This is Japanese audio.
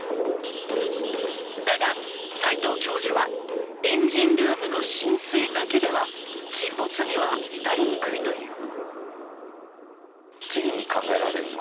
だが、斎藤教授はエンジンルームの浸水だけでは沈没には至りにくいという。